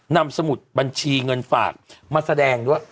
สมุดบัญชีเงินฝากมาแสดงด้วย